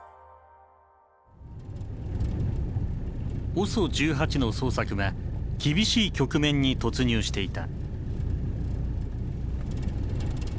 ＯＳＯ１８の捜索は厳しい局面に突入していた。